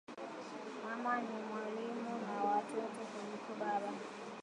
Mama ni mwalimu wa watoto kuliko baba